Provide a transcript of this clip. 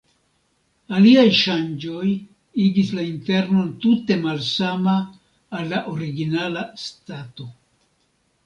Aliaj ŝanĝoj igis la internon tute malsama al la originala stato.